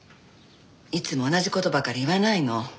いつも同じ事ばかり言わないの。